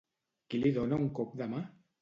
Qui li dona un cop de mà?